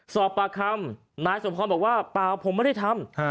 สอบปากคำนายสมพรบอกว่าเปล่าผมไม่ได้ทำ